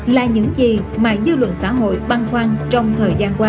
là những gì mà dư luận xã hội băng khoăn trong thời gian qua